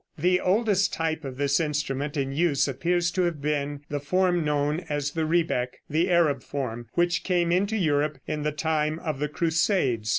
The oldest type of this instrument in use appears to have been the form known as the rebec, the Arab form, which came into Europe in the time of the crusades.